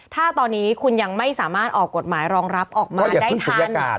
ถ้าตอนนี้คุณยังไม่สามารถออกกฎหมายรองรับออกมาได้ทัน